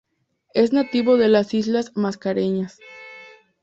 Es nativo de las islas mascareñas.